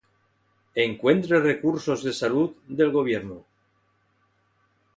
Encuentre recursos de salud del Gobierno.